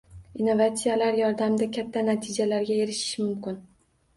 Innovatsiyalar yordamida katta natijalarga erishish mumkin.